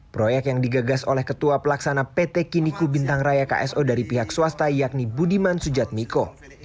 proyek yang digagas oleh ketua pelaksana pt kiniku bintang raya kso dari pihak swasta yakni budiman sujatmiko